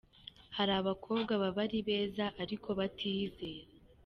Hari abakobwa baba ari beza aiko batiyizera.